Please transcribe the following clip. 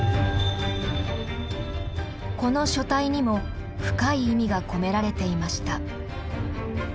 この書体にも深い意味が込められていました。